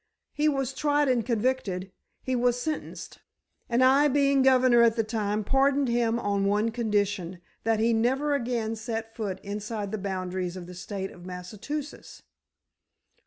"He was tried and convicted. He was sentenced. And I, being governor at the time, pardoned him on the one condition, that he never again set foot inside the boundaries of the State of Massachusetts."